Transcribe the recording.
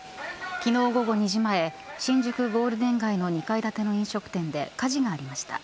昨日午後２時前新宿ゴールデン街の２階建ての飲食店で火事がありました。